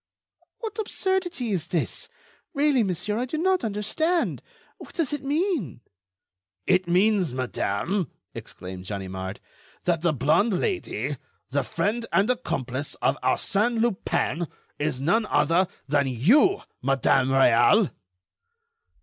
"What absurdity is this? really, monsieur, I do not understand. What does it mean?" "It means, madame," exclaimed Ganimard, "that the blonde Lady, the friend and accomplice of Arsène Lupin, is none other than you, Madame Réal."